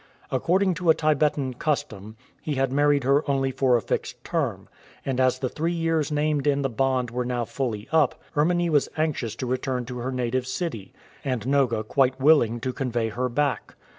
According to a Tibetan custom, he had married her only for a fixed term, and as the three years named in the bond were now fully up, Erminie was anxious to return to her native city, and Noga quite willing to convey her back.